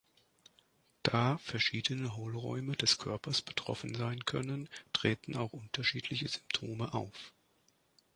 Da verschiedene Hohlräume des Körpers betroffen sein können, treten auch unterschiedliche Symptome auf.